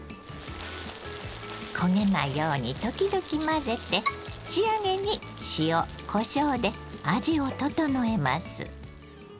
焦げないように時々混ぜて仕上げに塩こしょうで味を調えます。